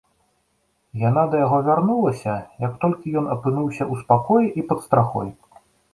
Яна да яго вярнулася, як толькі ён апынуўся ў спакоі і пад страхой.